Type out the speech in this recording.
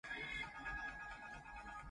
塵埃落定